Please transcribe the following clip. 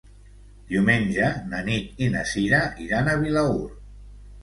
Diumenge na Nit i na Cira iran a Vilaür.